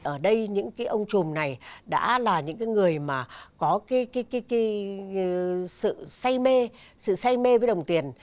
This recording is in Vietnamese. ở đây những ông trùm này đã là những người có sự say mê với đồng tiền